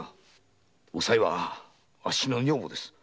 おさいはあっしの女房です。